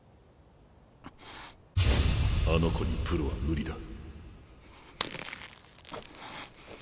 あの子にプロは無理だ。